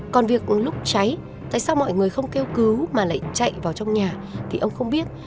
còn việc lúc cháy tại sao mọi người không kêu cứu mà lại chạy vào trong nhà thì ông không biết